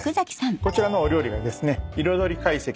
こちらのお料理がですね。